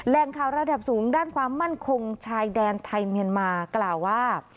ข่าวระดับสูงด้านความมั่นคงชายแดนไทยเมียนมากล่าวว่า